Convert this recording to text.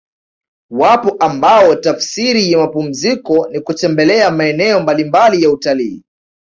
Wapo ambao tafsiri ya mapumziko ni kutembelea maeneo mbalimbali ya utalii